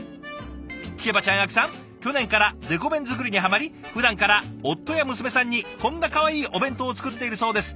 聞けばちゃんあきさん去年からデコ弁作りにはまりふだんから夫や娘さんにこんなかわいいお弁当を作っているそうです。